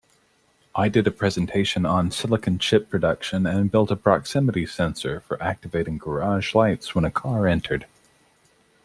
I did a presentation on silicon chip production and built a proximity sensor for activating garage lights when a car entered.